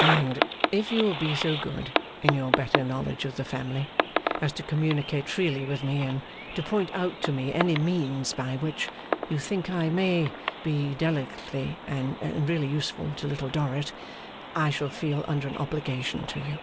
'And if you will be so good, in your better knowledge of the family, as to communicate freely with me, and to point out to me any means by which you think I may be delicately and really useful to Little Dorrit, I shall feel under an obligation to you.